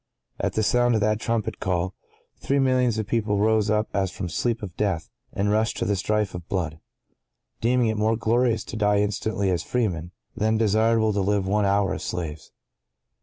At the sound of that trumpet call, three millions of people rose up as from the sleep of death, and rushed to the strife of blood; deeming it more glorious to die instantly as freemen, than desirable to live one hour as slaves.